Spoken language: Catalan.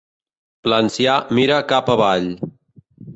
L'ancià mira cap avall.